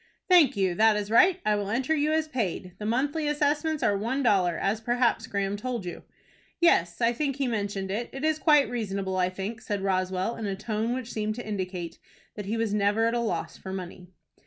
"Thank you; that is right. I will enter you as paid. The monthly assessments are one dollar, as perhaps Graham told you." "Yes, I think he mentioned it. It is quite reasonable, I think," said Roswell, in a tone which seemed to indicate that he was never at a loss for money.